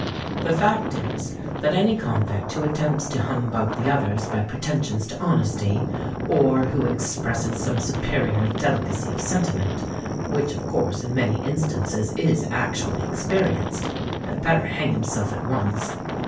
The fact is, that any convict who attempts to humbug the others by pretensions to honesty, or who expresses some superior delicacy of sentiment, which, of course, in many instances is actually experienced, had better hang himself at once.